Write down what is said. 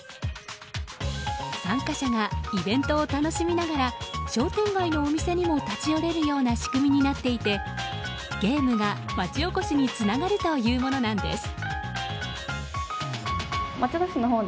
参加者がイベントを楽しみながら商店街のお店にも立ち寄れるような仕組みになっていてゲームが、町おこしにつながるというものなんです。